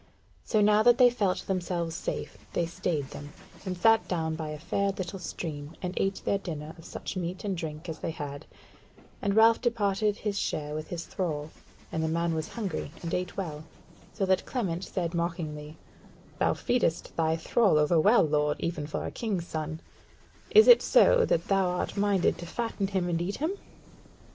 So now that they felt themselves safe, they stayed them, and sat down by a fair little stream, and ate their dinner of such meat and drink as they had; and Ralph departed his share with his thrall, and the man was hungry and ate well; so that Clement said mockingly: "Thou feedest thy thrall over well, lord, even for a king's son: is it so that thou art minded to fatten him and eat him?"